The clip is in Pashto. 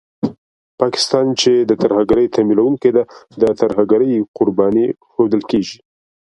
پاکستان چې د ترهګرۍ تمويلوونکی دی، د ترهګرۍ قرباني ښودل کېږي